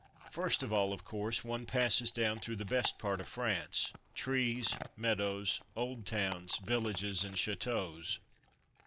First of all, of course, one passes down through the best part of France: trees, meadows, old towns, villages, and chateaux.